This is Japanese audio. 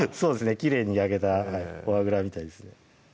きれいに焼けたフォアグラみたいですね